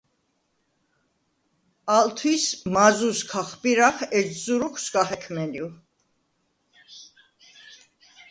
ალ თვის მაზუს ქახბირახ, ეჯზუ როქვ სგა ხექმენივ.